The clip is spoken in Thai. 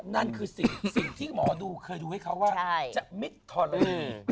นั่นคือสิ่งที่หมอดูเคยดูให้เขาว่าจะมิดทอเลอร์